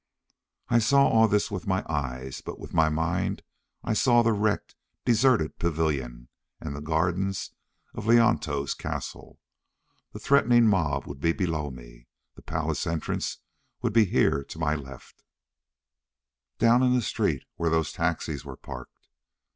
I saw all this with my eyes, but with my mind I saw the wrecked, deserted pavilion, and the gardens of Leonto's castle. The threatening mob would be below me. The palace entrance would be here to my left, down in the street where those taxis were parked.